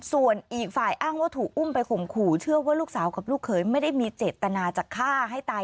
ส่วนอีกฝ่ายอ้างว่าถูกอุ้มไปข่มขู่เชื่อว่าลูกสาวกับลูกเขยไม่ได้มีเจตนาจะฆ่าให้ตาย